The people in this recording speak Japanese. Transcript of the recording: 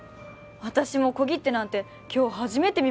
私も小切手なんて今日初めて見ました。